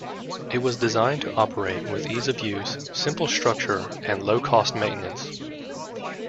It was designed to operate with ease of use, simple structure and low-cost maintenance.